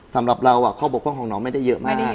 สำหรับเราข้อบกพร่องของน้องไม่ได้เยอะมากแน่